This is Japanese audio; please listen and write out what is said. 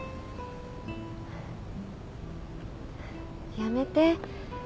やめて。